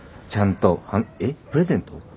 ちゃんとえっプレゼント！？